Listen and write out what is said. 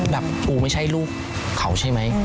แบบกูไม่ใช่ลูกเขาใช่ไหม